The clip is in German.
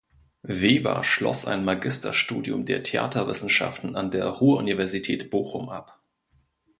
Weber schloss ein Magisterstudium der Theaterwissenschaften an der Ruhr-Universität Bochum ab.